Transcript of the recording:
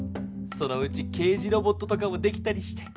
そのうち刑事ロボットとかもできたりして。